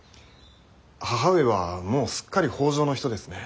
義母上はもうすっかり北条の人ですね。